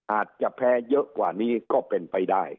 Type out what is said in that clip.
อาจจะแพ้เยอะกว่านี้ก็เป็นไปได้